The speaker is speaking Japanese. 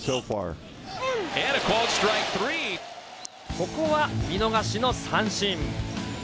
ここは見逃しの三振。